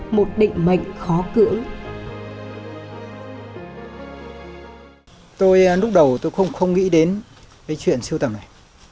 một định mệnh khó cưỡng tôi lúc đầu tôi không không nghĩ đến cái chuyện sưu tầm này